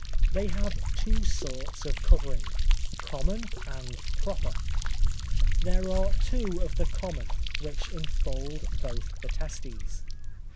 They have two sorts of covering, common and proper; there are two of the common, which enfold both the testes.